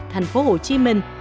thành phố hồ chí minh